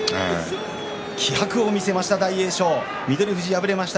気迫を見せました大栄翔。